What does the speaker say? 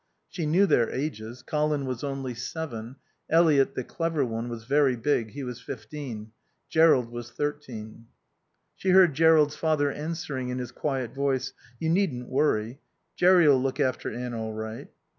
She knew their ages. Colin was only seven. Eliot, the clever one, was very big; he was fifteen. Jerrold was thirteen. She heard Jerrold's father answering in his quiet voice. "You needn't worry. Jerry'll look after Anne all right."